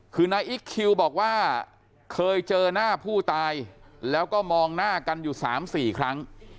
คือนายอิ๊กคิวบอกว่าเคยเจอหน้าผู้ตายแล้วก็มองหน้ากันอยู่๓๔ครั้ง